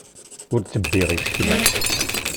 Ur ttebbiɣ isekla.